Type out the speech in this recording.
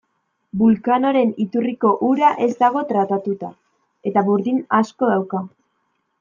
Vulcanoren iturriko ura ez dago tratatuta, eta burdin asko dauka.